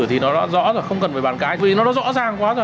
thì nó đã rõ rồi không cần phải bàn cái vì nó đã rõ ràng quá rồi